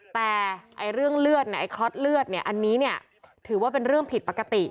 แต่เรื่องเลือดคลอสเลือดอันนี้ถือว่าเป็นเรื่องผิดปกติ